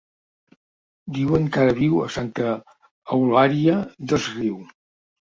Diuen que ara viu a Santa Eulària des Riu.